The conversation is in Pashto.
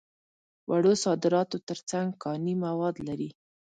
وړو صادراتو تر څنګ کاني مواد لري.